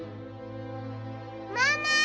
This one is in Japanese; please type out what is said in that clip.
ママ！